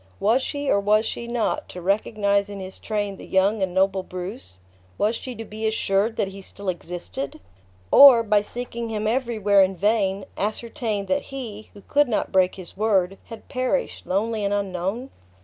Was she, or was she not, to recognize in his train the young and noble Bruce? Was she to be assured that he still existed? Or, by seeking him everywhere in vain, ascertain that he, who could not break his word, had perished, lonely and unknown?